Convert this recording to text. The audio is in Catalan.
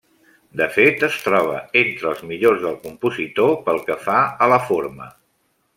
De fet, es troba entre els millors del compositor pel que fa a la forma.